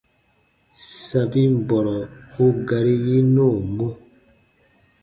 Sabin bɔrɔ u gari yi nɔɔmɔ.